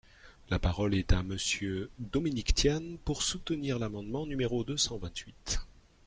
La parole est à Monsieur Dominique Tian, pour soutenir l’amendement numéro deux cent vingt-huit.